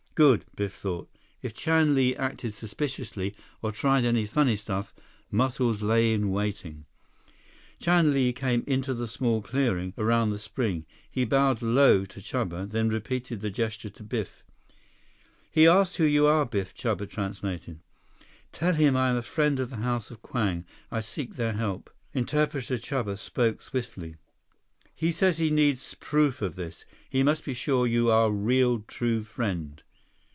Good, Biff thought. If Chan Li acted suspiciously, or tried any funny stuff, Muscles lay in waiting. Chan Li came into the small clearing around the spring. He bowed low to Chuba, then repeated the gesture to Biff. "He asks who you are, Biff," Chuba translated. "Tell him I am a friend of the House of Kwang. I seek their help." Interpreter Chuba spoke swiftly. "He says he needs proof of this. He must be sure you are real true friend."